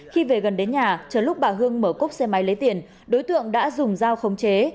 khi về gần đến nhà trở lúc bà hương mở cốc xe máy lấy tiền đối tượng đã dùng giao khống chế